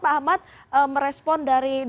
pak ahmad merespon dari